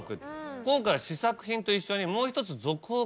今回は試作品と一緒にもう一つ。